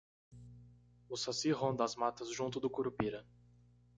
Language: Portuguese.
O saci ronda as matas junto do curupira